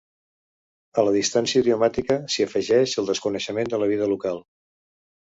A la distància idiomàtica s'hi afegeix el desconeixement de la vida local.